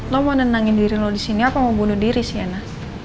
lo mau tenangin diri lo disini apa mau bunuh diri sienna